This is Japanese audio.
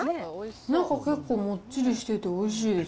中、結構もっちりしてておいしいです。